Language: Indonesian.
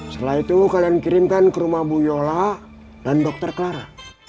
setelah itu kalian kirimkan ke rumah bu yola dan dr clara